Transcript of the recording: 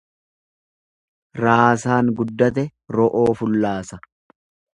Raasaan guddate ro'oo fullaasa.